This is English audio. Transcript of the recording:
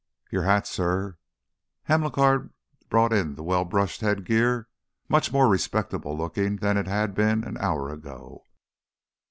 "Yore hat, suh." Hamilcar brought in the well brushed headgear, much more respectable looking than it had been an hour ago.